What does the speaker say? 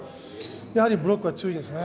やはりブロックは強いですね。